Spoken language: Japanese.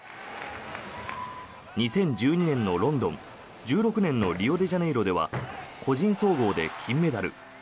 ２０１２年のロンドン２０１６年のリオデジャネイロでは個人総合で金メダル。